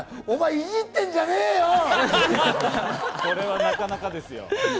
お前、いじってんじゃねえよ！